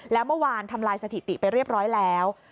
แล้วเมื่อวานทำลายสถิติไปเรียบร้อยแล้ว